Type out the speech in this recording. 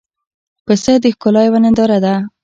پسه د ښکلا یوه ننداره ده.